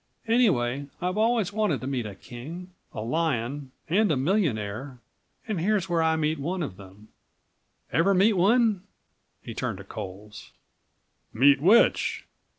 Anyway, I've always wanted to meet a king, a lion and a millionaire and here's where I meet one of them. Ever meet one?" He turned to Coles. "Meet which?"